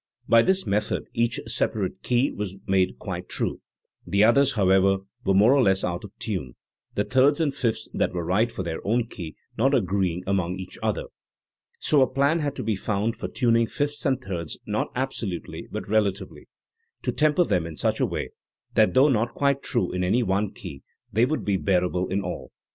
By this method each separate key was made quite true; the others, however, were more or less out of tune, the thirds and fifths that were right for their own key not agree ing among each other. So a plan had to be found for tuning fifths and thirds not absolutely but relatively, to "tem per" them in such a way that though not quite true in any one key they would be bearable in all.